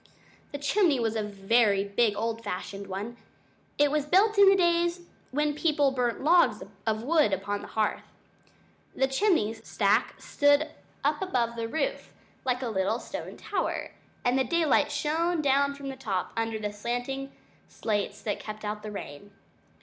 The chimney was a very big old fashioned one. It was built in the days when people burnt logs of wood upon the hearth. The chimney stack stood up above the roof like a little stone tower, and the daylight shone down from the top, under the slanting slates that kept out the rain.